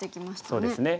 そうですね。